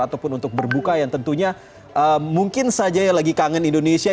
ataupun untuk berbuka yang tentunya mungkin saja yang lagi kangen indonesia